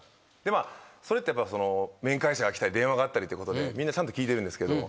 それって面会者が来たり電話があったりってことでみんなちゃんと聞いてるんですけど。